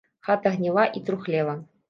Хата гніла і трухлела.